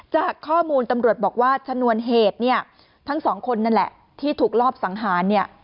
จากข้อมูลตำรวจบอกว่าชนวนเหตุเนี่ยทั้งสองคนนั่นแหละที่ถูกรอบสังหารเนี่ย